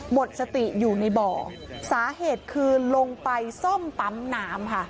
หมดสติอยู่ในบ่อสาเหตุคือลงไปซ่อมปั๊มน้ำค่ะ